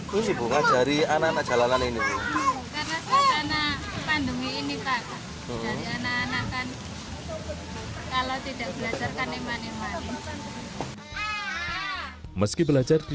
meski belajar di dalam akot yang sedang berhenti